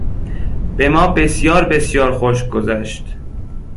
به ما بسیار بسیار خوش گذشت.